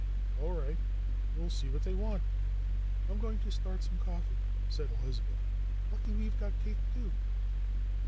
"All right. We'll see what they want." "I'm going to start some coffee," said Elizabeth. "Lucky we've got a cake too."